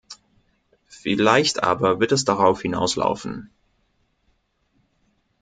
Vielleicht aber wird es darauf hinauslaufen.